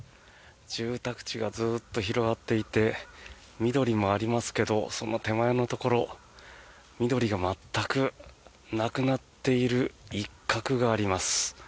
住宅地がずっと広がっていて緑もありますけどその手前のところ緑が全くなくなっている一角があります。